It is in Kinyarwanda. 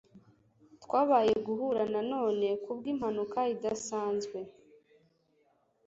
Twabaye guhura nanone kubwimpanuka idasanzwe.